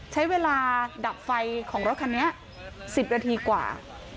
ใช้เวลาดับไฟของรถคันนี้๑๐นาทีกว่า